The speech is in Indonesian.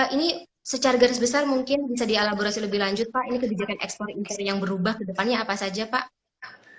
ini secara garis besar mungkin bisa dielaborasi lebih lanjut pak ini kebijakan ekspor impor yang berubah ke depannya apa saja pak